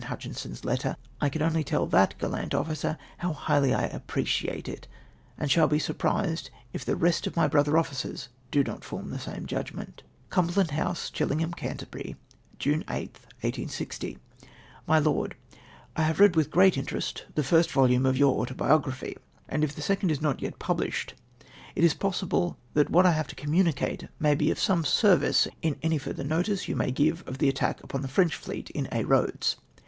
Hutchinson's letter, I can only tell that gallant officer how highly I ap preciate it, and shall be surprised if the rest of my brother officers do not form the same judgment. Cumberland House, Cliilliani, Canterbmy, June Stli, ISGO. "My Lord, " I have read, with very great interest, the first volume of your Autoluography, and if the second is not 3"et pub lished, it is possilile tliat Avhat I have to communicate may be CONFIRMATORY OF THE ENF.MY S I'AXIC. 47 of some service in auy further notice you may give of the attack upon the French fleet in Aix Eoacls.